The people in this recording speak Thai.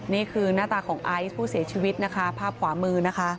นี่คือหน้าตาของไอซ์ผู้เสียชีวิตนะคะภาพขวามือนะคะ